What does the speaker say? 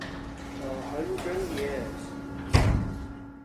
A hundred years.